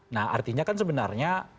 nah artinya kan sebenarnya